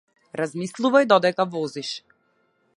Размислувај додека возиш.